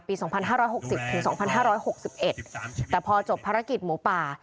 ๒๕๖๐ถึง๒๕๖๑แต่พอจบภารกิจหมูป่า